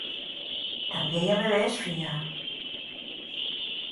¿Tan vieya me ves, fía?